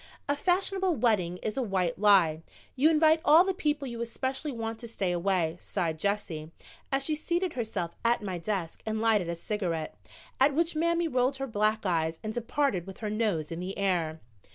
"A fashionable wedding is a white lie; you invite all the people you especially want to stay away," sighed Jessie, as she seated herself at my desk and lighted a cigarette, at which Mammy rolled her black eyes and departed with her nose in the air.